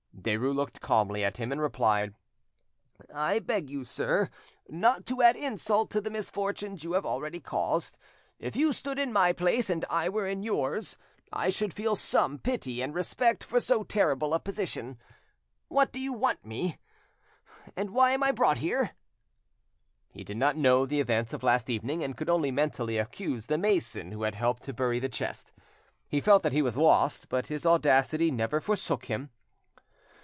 Derues looked calmly at him, and replied— "I beg you, sir, not to add insult to the misfortunes you have already caused. If you stood in my place and I were in yours, I should feel some pity and respect for so terrible a position. What do you want me? and why am I brought here?" He did not know the events of last evening, and could only mentally accuse the mason who had helped to bury the chest. He felt that he was lost, but his audacity never forsook him.